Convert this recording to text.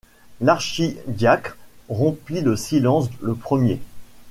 L’archidiacre rompit le silence le premier.